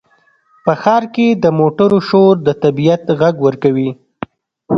په ښار کې د موټرو شور د طبیعت غږ ورکوي.